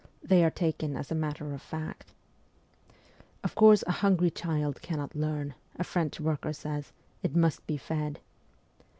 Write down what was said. They are taken as a matter of fact. ' Of course, a hungry child cannot WESTERN EUROPE 313 learn,' a French worker says. ' It must be fed.'